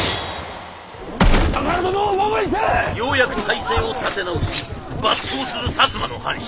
ようやく態勢を立て直し抜刀する摩の藩士。